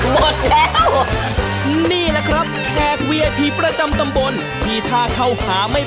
หมดแล้วนี่แหละครับแขกเวียผีประจำตำบลที่ท่าเข้าหาไม่